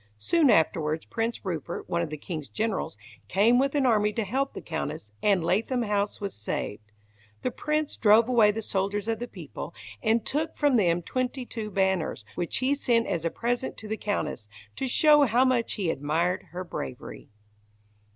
Soon afterwards Prince Rupert, one of the king's generals, came with an army to help the Countess, and Lathom House was saved. The prince drove away the soldiers of the people, and took from them twenty two banners, which he sent as a present to the Countess, to show how much he admired her bravery.